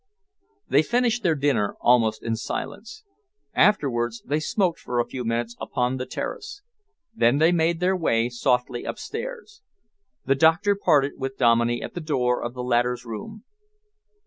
They finished their dinner almost in silence. Afterwards, they smoked for a few minutes upon the terrace. Then they made their way softly upstairs. The doctor parted with Dominey at the door of the latter's room.